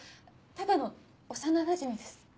ただの幼なじみです。